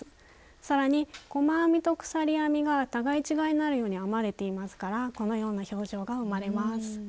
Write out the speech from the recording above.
さらに細編みと鎖編みが互い違いになるように編まれていますからこのような表情が生まれます。